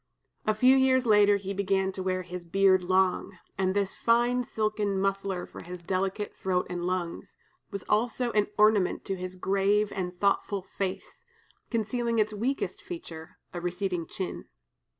A few years later he began to wear his beard long, and this fine silken muffler for his delicate throat and lungs, was also an ornament to his grave and thoughtful face, concealing its weakest feature, a receding chin.